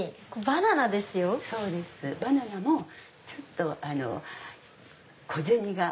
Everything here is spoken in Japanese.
バナナもちょっと小銭が。